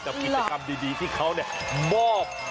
กับกิจกรรมดีที่เขาเนี่ยมอบ